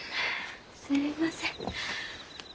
すみません。